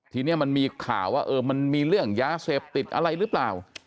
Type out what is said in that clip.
ทีนี้มันมีข่าวว่ามันมีเรื่องยาเสพติดอะไรหรือเปล่า